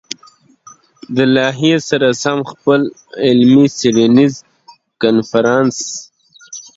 له لايحې سره سم خپل علمي-څېړنيز کنفرانس